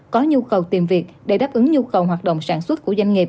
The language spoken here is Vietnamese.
có nhu cầu tìm việc để đáp ứng nhu cầu hoạt động sản xuất của doanh nghiệp